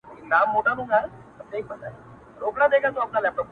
ډېر مي ياديږي دخپلي کلي د خپل غره ملګري,